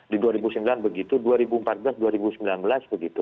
di dua ribu sembilan begitu dua ribu empat belas dua ribu sembilan belas begitu